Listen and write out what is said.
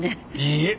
いいえ。